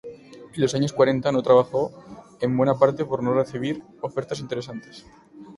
En los años cuarenta no trabajó, en buena parte por no recibir ofertas interesantes.